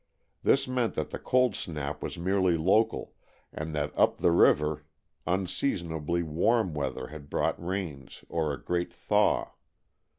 This meant that the cold snap was merely local and that up the river unseasonably warm weather had brought rains or a great thaw.